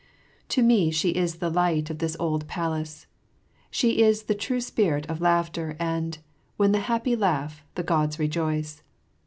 To me she is the light of this old palace. She is the true spirit of laughter, and, "When the happy laugh, the Gods rejoice."